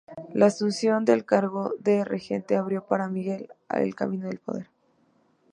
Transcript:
La asunción del cargo de regente abrió para Miguel el camino al poder.